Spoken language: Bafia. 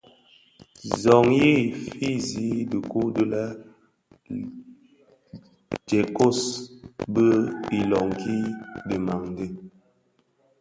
Zohnyi fusii dhikuu di le Isékos bi iloňki dhimandé.